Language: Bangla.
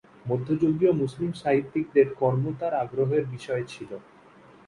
মধ্যযুগীয় মুসলিম সাহিত্যিকদের কর্ম তাঁর আগ্রহের বিষয় ছিল।